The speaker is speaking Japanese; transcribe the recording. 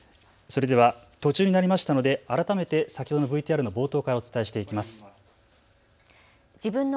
それでは途中になりましたので改めて先ほどＶＴＲの冒頭からお伝えしていきます。